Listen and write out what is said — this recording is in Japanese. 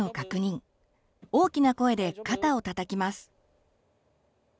大きな声で肩をたたきます。